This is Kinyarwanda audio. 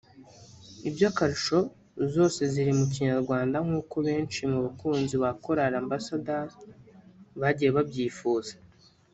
by’akarusho zose ziri mu Kinyarwanda nk’uko benshi mu bakunzi ba Korali Ambassadors bagiye babyifuza